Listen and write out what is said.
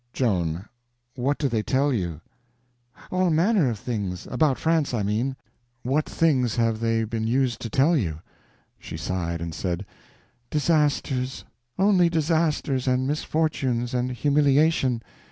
"Joan, what do they tell you?" "All manner of things—about France, I mean." "What things have they been used to tell you?" She sighed, and said: "Disasters—only disasters, and misfortunes, and humiliation.